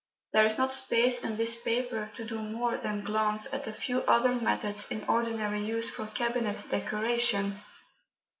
There is not space in this paper to do more than glance at a few other methods in ordinary use for cabinet decoration.